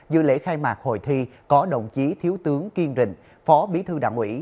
dự lễ khai mạc hội thi có đồng chí thiếu tướng kiên rình phó bí thư đảng ủy